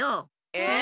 え？